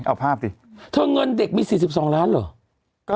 เอาภาพดิเธอเงินเด็กมีสี่สิบสองล้านเหรอ